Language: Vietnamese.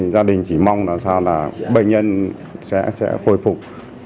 gia đình chỉ mong là sao là bệnh nhân sẽ hồi phục